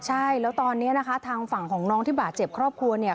ใช่แล้วตอนนี้นะคะทางฝั่งของน้องที่บาดเจ็บครอบครัวเนี่ย